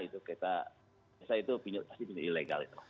biasanya itu pinjol pasti ilegal